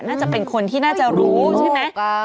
น่าจะเป็นคนที่น่าจะรู้ใช่ไหม